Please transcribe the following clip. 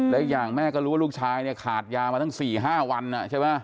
และอีกอย่างแม่ก็รู้ว่าลูกชายเนี่ยขาดยามาตั้ง๔๕วันใช่ไหม